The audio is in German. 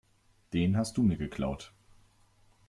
Den hast du mir geklaut.